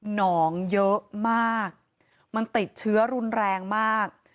หนองเยอะมากมันติดเชื้อรุนแรงมาก